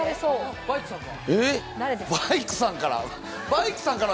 バイクさんから？